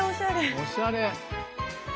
おしゃれ！